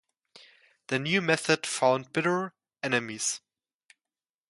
The new method found bitter enemies.